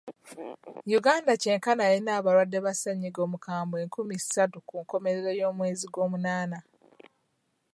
Uganda kyenkana yalina abalwadde ba ssennyiga omukambwe enkumi ssatu ku nkomerero y'omwezi gw'omunaana.